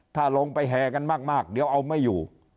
ถ้าลงไปแห่กันมากเดี๋ยวเอาไม่อยู่